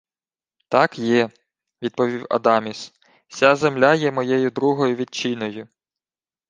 — Так є, — відповів Адаміс. — Ся земля є моєю другою вітчиною.